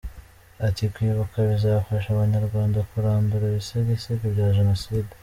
Ati “Kwibuka bizafasha Abanyarwanda kurandura ibisigisigi bya Jenoside.